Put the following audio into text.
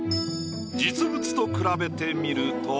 実物と比べてみると。